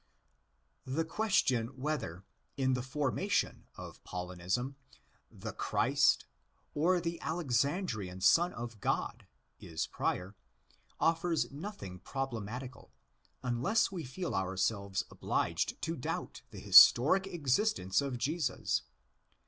The question whether, in the formation of Paulinism, '"the Christ" or '' the Alexandrian Son of God"' is prior, offers nothing problematical, unless we feel our selves obliged to doubt the historic existence of Jesus.